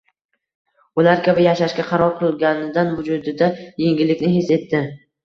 ular kabi yashashga qaror qilganidan vujudida yengillikni his etdi.